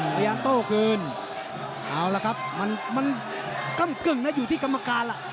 โต้คืนเอาละครับมันก้ำกึ่งนะอยู่ที่กรรมการล่ะ